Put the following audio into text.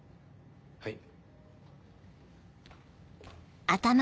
はい。